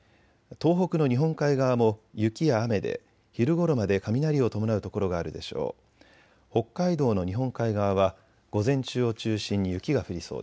東北の日本海側も雪や雨で昼ごろまで雷を伴う所があるでしょう。